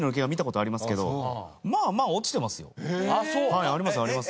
はいありますあります。